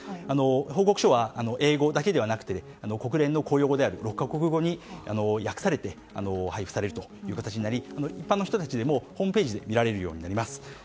報告書は英語だけではなく国連の公用語である６か国語に訳されて配布されることになり一般の人たちでもホームページで見られるようになります。